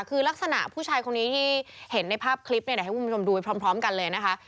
คือลักษณะผู้ชายคนนี้ที่เห็นในภาพคลิปเนี่ยเดี๋ยวให้คุณผู้ชมดูไปพร้อมกันเลยนะคะ